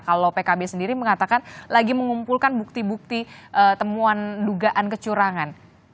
kalau pkb sendiri mengatakan lagi mengumpulkan bukti bukti temuan dugaan kecurangan